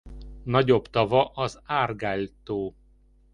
Nagyobb tava az Argyle-tó.